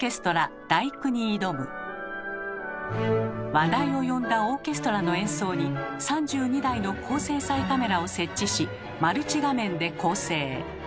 話題を呼んだオーケストラの演奏に３２台の高精細カメラを設置しマルチ画面で構成。